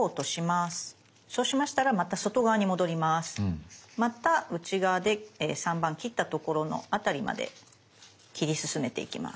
また内側で３番切ったところの辺りまで切り進めていきます。